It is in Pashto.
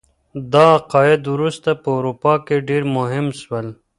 دا عقاید وروسته په اروپا کي ډیر مهم سول.